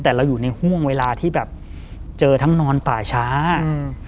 แต่เราอยู่ในห่วงเวลาที่แบบเจอทั้งนอนป่าช้าอืม